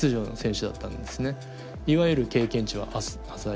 いわゆる経験値は浅い。